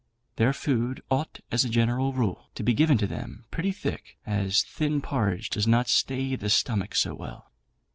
Their food ought, as a general rule, to be given to them pretty thick, as thin porridge does not stay the stomach so well.